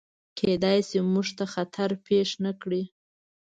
کیدای شي، موږ ته خطر پیښ نکړي.